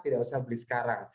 tidak usah beli sekarang